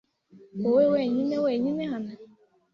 Wowe wenyine wenyine hano?